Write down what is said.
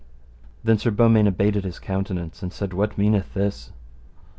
Then Sir Beaumains abated his countenance and said, What meaneth this?